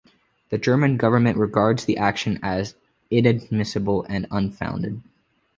The German government regards the action as "inadmissible and unfounded".